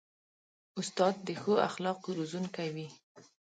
استاد د ښو اخلاقو روزونکی وي.